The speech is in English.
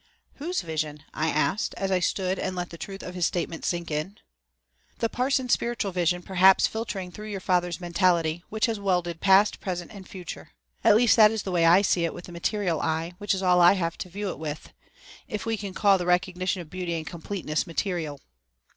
"Whose vision?" I asked, as I stood and let the truth of his statement sink in. "The parson's spiritual vision perhaps filtering through your father's mentality, which has welded past, present and future. At least, that is the way I see it with the material eye, which is all I have to view it with if we can call the recognition of beauty and completeness material."